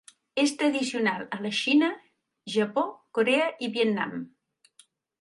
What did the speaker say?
És tradicional a la Xina, Japó, Corea i Vietnam.